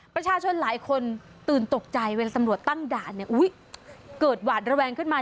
ประชาชนหลายคนตื่นตกใจเวลาตำรวจตั้งด่านเนี่ยเกิดหวาดระแวงขึ้นมา